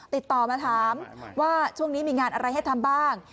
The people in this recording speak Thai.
ติดต่อมาถามว่าช่วงนี้มีงานอะไรให้ทำบ้าง